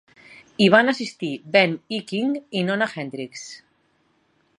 Hi van assistir Ben E. King i Nona Hendrix.